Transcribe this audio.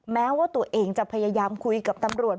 แม้ว่าตัวเองจะพยายามคุยกับตำรวจ